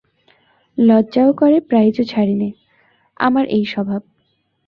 লজ্জাও করে প্রাইজও ছাড়ি নে, আমার এই স্বভাব।